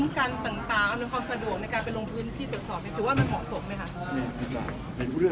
ซับไพรที่การอุ้มกัน